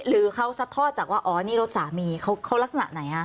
หรือเขาซัดทอดจากว่าอ๋อนี่รถสามีเขาลักษณะไหนฮะ